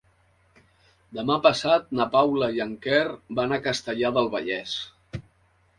Demà passat na Paula i en Quer van a Castellar del Vallès.